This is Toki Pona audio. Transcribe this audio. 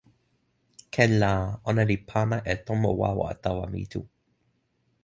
ken la, ona li pana e tomo wawa tawa mi tu.